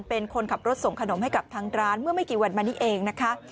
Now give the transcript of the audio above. เป็นคนขับรถส่งขนมให้กับทางร้านเมื่อไม่กี่วันมานี้เองนะคะ